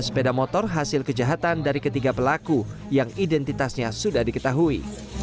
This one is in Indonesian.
pertama kali pencuri motor hasil kejahatan dari ketiga pelaku yang identitasnya sudah diketahui